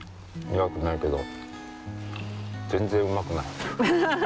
苦くないけど全然うまくない。